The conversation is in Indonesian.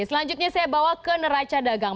selanjutnya saya bawa ke neraca dagang